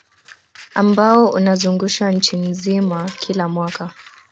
Ambao unazungushwa nchi nzima kila mwaka